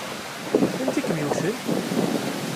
Anti i kem-yewwten?